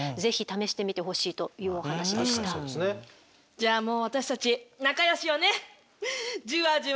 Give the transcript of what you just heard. じゃあもう私たち仲よしよね！